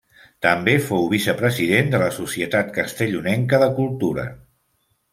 També fou vicepresident de la Societat Castellonenca de Cultura.